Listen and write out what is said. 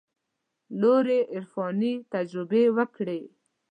لوړې عرفاني تجربې وکړي.